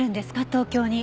東京に。